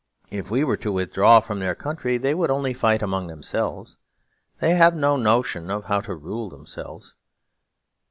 If we were to withdraw from their country they would only fight among themselves; they have no notion of how to rule themselves.